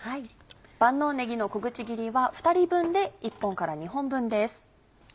万能ねぎの小口切りは２人分で１本から２本分です。